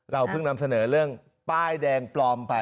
เพิ่งนำเสนอเรื่องป้ายแดงปลอมไป